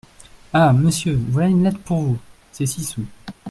Ah ! monsieur, voilà une lettre pour vous ! c’est six sous.